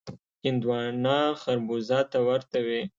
هندوانه خړبوزه ته ورته وي.